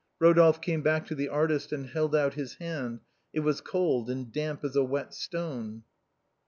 Rodolphe came back to the artist and held out his hand, it was cold and damp as a wet stone.